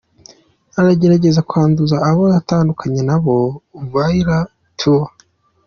Aragerageza kwanduza abo yatandukanye nabo, voilÃ tout.